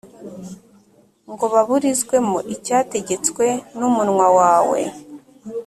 ngo baburizemo icyategetswe n’umunwa wawe,